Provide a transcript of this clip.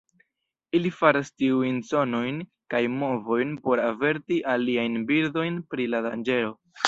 Ili faras tiujn sonojn kaj movojn por averti aliajn birdojn pri la danĝero.